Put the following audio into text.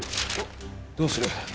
どうする？